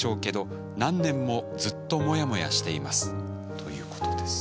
ということです。